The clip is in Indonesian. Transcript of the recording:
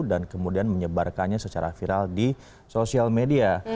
dan kemudian menyebarkannya secara viral di sosial media